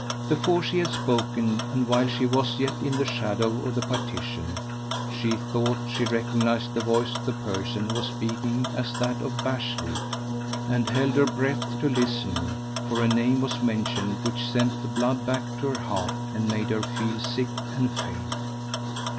Before she had spoken, and while she was yet in the shadow of the partition, she thought she recognized the voice of the person who was speaking as that of Bashley, and held her breath to listen, for a name was mentioned which sent the blood back to her heart and made her feel sick and faint.